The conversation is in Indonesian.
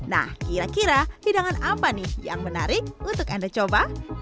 nah kira kira hidangan apa nih yang menarik untuk anda coba